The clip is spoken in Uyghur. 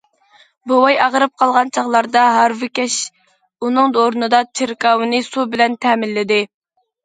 بوۋاي ئاغرىپ قالغان چاغلاردا، ھارۋىكەش ئۇنىڭ ئورنىدا چېركاۋنى سۇ بىلەن تەمىنلىدى.